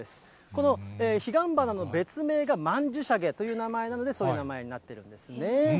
この彼岸花の別名が、まんじゅしゃげという名前なので、そういう名前になっているんですね。